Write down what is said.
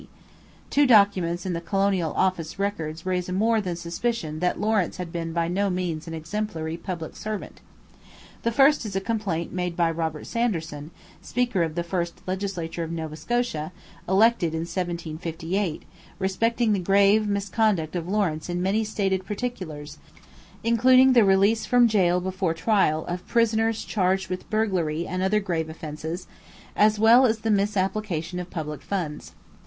Two documents in the Colonial Office Records raise more than a suspicion that Lawrence had been by no means an exemplary public servant. The first is a complaint made by Robert Sanderson, speaker of the first legislature of Nova Scotia, elected in 1758, respecting the grave misconduct of Lawrence in many stated particulars, including the release from gaol before trial of prisoners charged with burglary and other grave offences as well as the misapplication of public funds.